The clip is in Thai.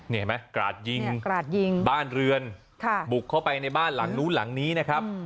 นี่เห็นไหมกราดยิงกราดยิงบ้านเรือนบุกเข้าไปในบ้านหลังนู้นหลังนี้นะครับ